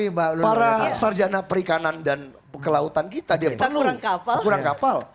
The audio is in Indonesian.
ini adalah para sarjana perikanan dan kelautan kita